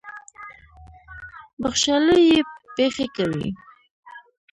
بخْشالۍ یې پېښې کوي.